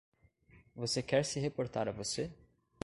Você quer se reportar a você?